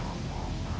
jadi ini masuk akal lah